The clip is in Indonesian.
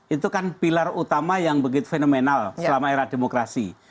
itu kan pilar utama yang begitu fenomenal selama era demokrasi